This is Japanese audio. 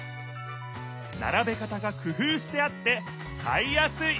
ならべ方がくふうしてあって買いやすい！